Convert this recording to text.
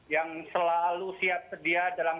yang selalu siap sedia dalam